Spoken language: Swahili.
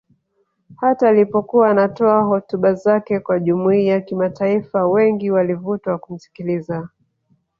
Hata alipokuwa anatoa hotuba zake kwa Jumuiya Kimataifa wengi walivutwa kumsikiliza